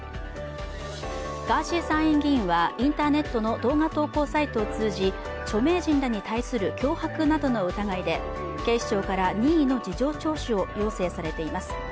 ガーシー参院議員はインターネットの動画投稿サイトを通じ著名人らに対する脅迫などの疑いで警視庁から任意の事情聴取を要請されています。